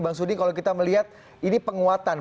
bang suding kalau kita melihat ini penguatan